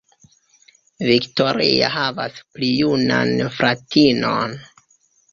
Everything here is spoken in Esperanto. Victoria havas pli junan fratinon.